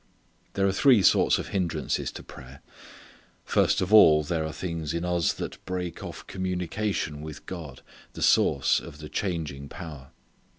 There are three sorts of hindrances to prayer. First of all there are things in us that break off connection with God, the source of the changing power.